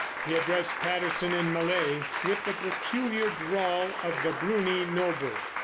He addressed Patterson in Malay with the peculiar drawl of the Brunie noble.